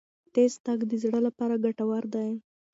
تېز تګ د زړه لپاره ګټور دی.